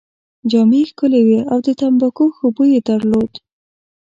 جامې يې ښکلې وې او د تمباکو ښه بوی يې درلود.